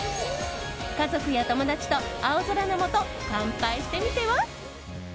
家族や友達と青空のもと乾杯してみては？